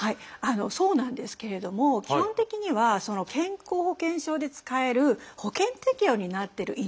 そうなんですけれども基本的には健康保険証で使える保険適用になってる医療費だけなんですよね。